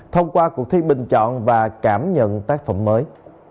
thông qua cuộc thi bình chọn và cảm nhận tác phẩm mới